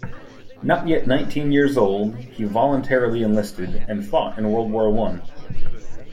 Not yet nineteen years old, he voluntarily enlisted and fought in World War One.